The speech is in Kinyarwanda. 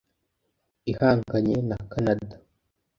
Ihanganye na Canada